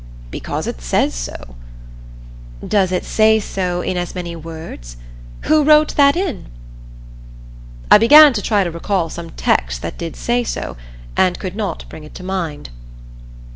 "Because it says so." "Does it say so in as many words? Who wrote that in?" I began to try to recall some text that did say so, and could not bring it to mind.